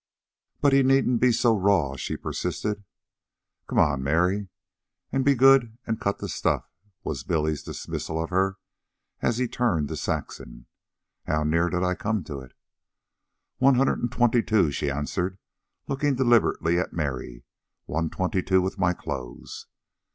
"But he needn't be so raw," she persisted. "Come on, Mary, an' be good, an' cut that stuff," was Billy's dismissal of her, as he turned to Saxon. "How near did I come to it?" "One hundred and twenty two," she answered, looking deliberately at Mary. "One twenty two with my clothes."